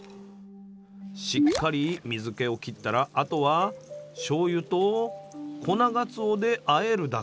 しっかり水けを切ったらあとはしょうゆと粉がつおであえるだけ。